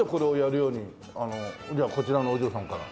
あのじゃあこちらのお嬢さんから。